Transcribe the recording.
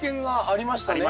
ありましたね。